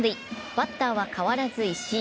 バッターは変わらず石井。